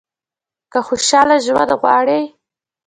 که خوشاله ژوند غواړئ .